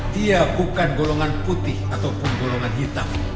dia bukan golongan putih ataupun golongan hitam